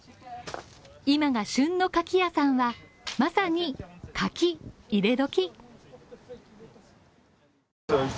今が旬の牡蠣屋さんは、まさに書き入れ時。